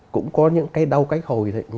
cũng có những cái đau cách hồi